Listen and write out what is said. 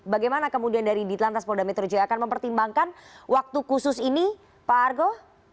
bagaimana kemudian dari ditlan transpol dametro juga akan mempertimbangkan waktu khusus ini pak argo